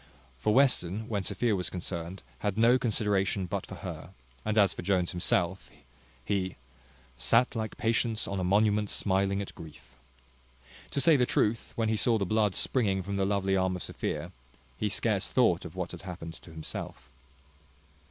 For Western, when Sophia was concerned, had no consideration but for her; and as for Jones himself, he "sat like patience on a monument smiling at grief." To say the truth, when he saw the blood springing from the lovely arm of Sophia, he scarce thought of what had happened to himself.